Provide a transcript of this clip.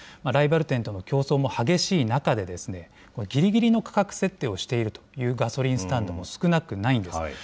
ライバル店との競争も激しい中で、ぎりぎりの価格設定をしているというガソリンスタンドも少なくないんです。